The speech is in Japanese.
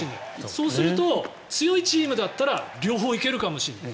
そうすると、強いチームだったら両方いけるかもしれない。